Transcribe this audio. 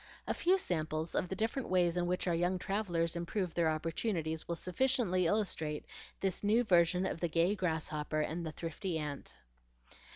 A few samples of the different ways in which our young travellers improved their opportunities will sufficiently illustrate this new version of the gay grasshopper and the thrifty ant.